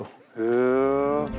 へえ。